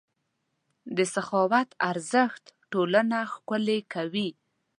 د سخاوت ارزښت ټولنه ښکلې کوي.